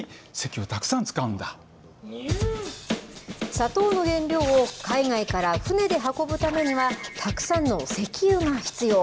砂糖の原料を海外から船で運ぶためにはたくさんの石油が必要。